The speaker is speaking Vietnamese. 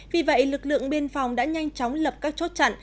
vì vậy lực lượng biên phòng đã nhanh chóng lập các chốt chặn